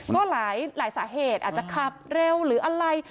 ก็หลายสาเหตุอาจจะขับเร็วหรืออะไร